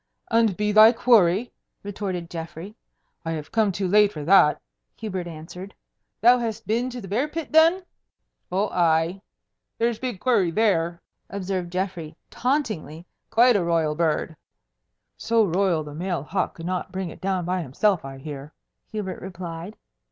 "And be thy quarry?" retorted Geoffrey. "I have come too late for that!" Hubert answered. "Thou hast been to the bear pit, then?" "Oh, aye!" "There's big quarry there!" observed Geoffrey, tauntingly. "Quite a royal bird." "So royal the male hawk could not bring it down by himself, I hear," Hubert replied.